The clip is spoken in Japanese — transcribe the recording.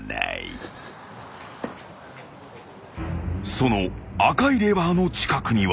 ［その赤いレバーの近くには］